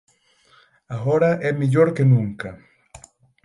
Agora é mellor que nunca.